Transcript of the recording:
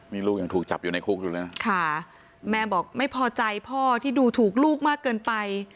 นี่ลูกยังถูกจับอยู่ในคุกอยู่เลยนะค่ะแม่บอกไม่พอใจพ่อที่ดูถูกลูกมากเกินไป